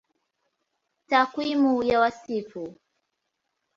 Takwimu ya Wasifu